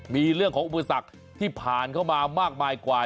มีเรื่องของอุปสรรคที่ผ่านเข้ามามากมายกว่า